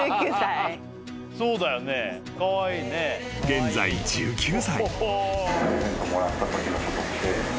［現在１９歳］